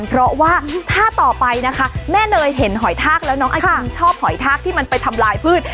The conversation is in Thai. เพราะว่าท่าต่อไปนะคะแม่เนยเห็นหอยทากแล้วน้องอาคินชอบหอยทากที่มันไปทำลายพืช